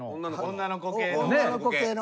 女の子系の。